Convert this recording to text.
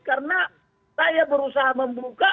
karena saya berusaha membuka